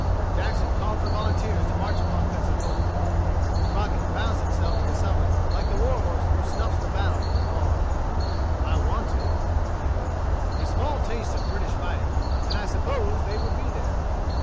Jackson called for volunteers to march upon Pensacola. Crockett roused himself at the summons, like the war horse who snuffs the battle from afar. "I wanted," he wrote, "a small taste of British fighting, and I supposed they would be there."